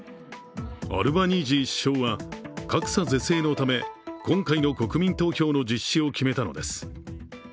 アルバニージー首相は格差是正のため、今回の国民投票の実施を決めたのです。